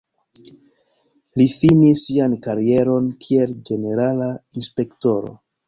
Li finis sian karieron kiel ĝenerala inspektoro.